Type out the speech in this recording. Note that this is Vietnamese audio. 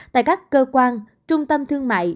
tại các cơ quan trung tâm thương mại